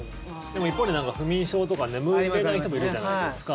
でも一方で不眠症とか眠れない人もいるじゃないですか。